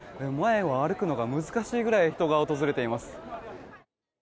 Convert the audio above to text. すでに雷門の前で前を歩くのが難しいくらい人が訪れています。